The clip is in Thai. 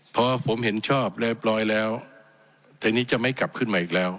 พอผมเห็นชอบเรียบร้อยแล้วทีนี้จะไม่กลับขึ้นมาอีกแล้ว